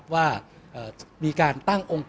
ก็ต้องทำอย่างที่บอกว่าช่องคุณวิชากำลังทำอยู่นั่นนะครับ